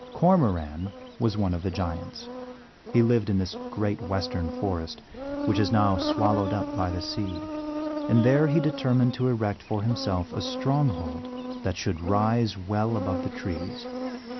Cormoran was one of the Giants; he lived in this great western forest, which is now swallowed up by the sea, and there he determined to erect for himself a stronghold that should rise well above the trees.